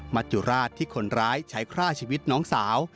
จุราชที่คนร้ายใช้ฆ่าชีวิตน้องสาว